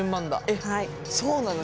えっそうなの？